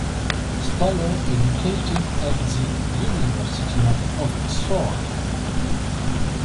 Staller educated at the University of Oxford.